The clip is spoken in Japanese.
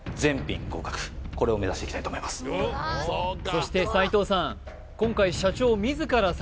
そして齋藤さん